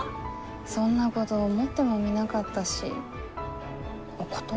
そんなごど思ってもみなかったしお断りしようかと。